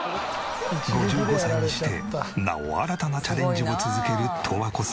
５５歳にしてなお新たなチャレンジを続ける十和子様。